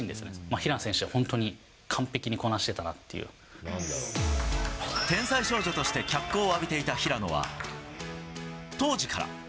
平野選手は本当に完璧にこなして天才少女として脚光を浴びていた平野は、当時から。